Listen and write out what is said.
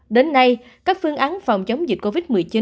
đến nay các phương án phòng chống dịch covid một mươi chín